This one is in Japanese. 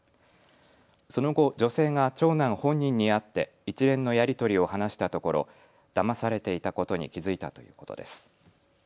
その後、女性が長男本人に会って一連のやり取りを話したところだまされていたことに気付いたということです。